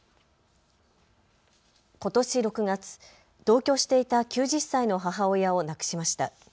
ことし６月、同居していた９０歳の母親を亡くしました。